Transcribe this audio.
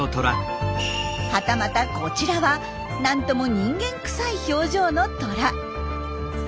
はたまたこちらはなんとも人間くさい表情のトラ。